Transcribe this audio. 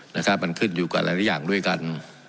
นะครับมันขึ้นอยู่กับหลายอย่างด้วยกัน